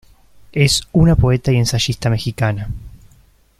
Es una poeta y ensayista mexicana.